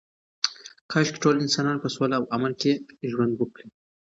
کاشکې ټول انسانان په سوله او امن کې ژوند وکړي.